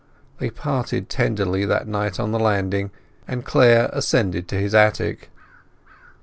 They parted tenderly that night on the landing, and Clare ascended to his attic.